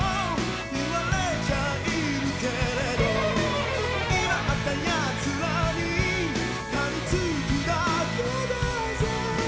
「言われちゃいるけれど」「いばったやつらにはりつくだけだぜ」